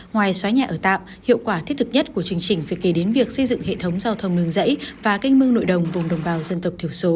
ngoài xóa nhà ở tạm hiệu quả thiết thực nhất của chương trình phải kể đến việc xây dựng hệ thống giao thông nương dãy và canh mương nội đồng vùng đồng bào dân tộc thiểu số